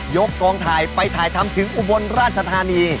กองถ่ายไปถ่ายทำถึงอุบลราชธานี